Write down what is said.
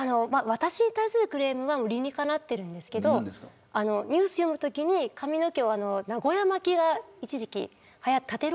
私に対するクレームは理にかなっているんですけどニュース読むときに髪の毛を名古屋巻きで一時期、はやってて。